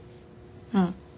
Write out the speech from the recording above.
うん。